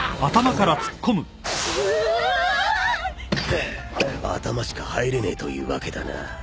フゥ頭しか入れねえというわけだな。